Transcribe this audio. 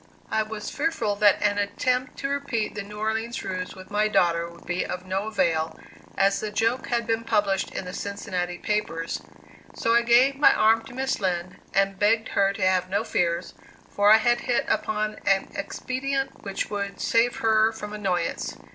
I was fearful that an attempt to repeat the New Orleans ruse with my daughter would be of no avail, as the joke had been published in the Cincinnati papers; so I gave my arm to Miss Lind, and begged her to have no fears, for I had hit upon an expedient which would save her from annoyance.